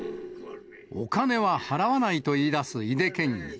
お金は払わないと言いだす井手県議。